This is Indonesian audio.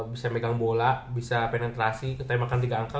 bisa megang bola bisa penetrasi tembakan tiga angka